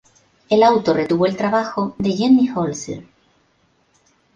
El auto retuvo el trabajo de Jenny Holzer.